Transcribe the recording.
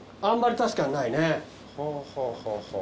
あんまり確かにないね。